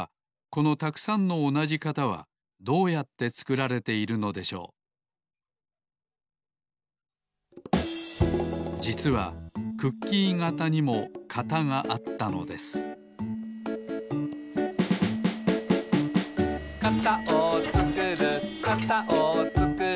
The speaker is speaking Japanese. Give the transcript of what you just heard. このたくさんのおなじ型はどうやってつくられているのでしょうじつはクッキー型にも型があったのですはい